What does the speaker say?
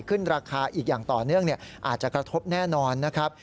ขึ้นราคาอีกอย่างต่อเนื่องอาจจะกระทบแน่นอนนะครับ